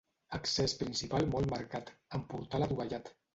Accés principal molt marcat amb portal adovellat.